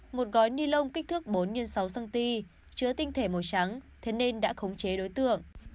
một gói ni lông kích thước bốn x sáu cm chứa tinh thể màu trắng thế nên đã khống chế đối tượng